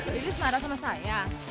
jadi semara sama saya